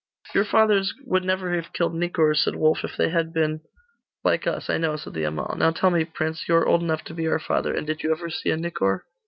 'Your fathers would never have killed nicors,' said Wulf, 'if they had been ' 'Like us I know,' said the Amal. 'Now tell me, prince, you are old enough to be our father; and did you ever see a nicor?